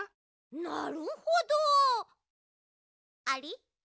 なるほどあり？